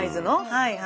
はいはい。